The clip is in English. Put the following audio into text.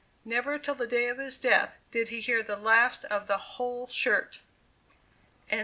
Never till the day of his death did he hear the last of the "whole shirt." CHAPTER V.